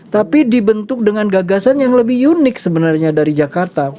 tapi dibentuk dengan gagasan yang lebih unik sebenarnya dari jakarta